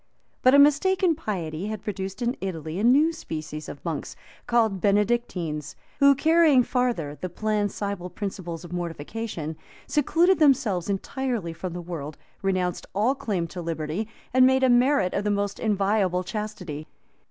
But a mistaken piety had produced in Italy a new species of monks, called Benedictines; who, carrying farther the plan sible principles of mortification, secluded themselves entirely from the world, renounced all claim to liberty, and made a merit of the most inviolable chastity.